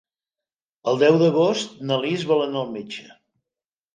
El deu d'agost na Lis vol anar al metge.